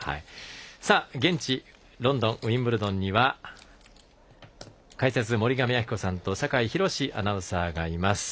現地ロンドン・ウィンブルドンには解説、森上亜希子さんと酒井博司アナウンサーがいます。